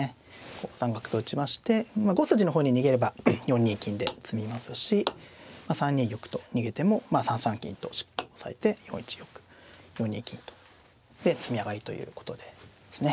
５三角と打ちまして５筋の方に逃げれば４二金で詰みますし３二玉と逃げても３三金とされて４一玉４二金と。で詰め上がりということですね。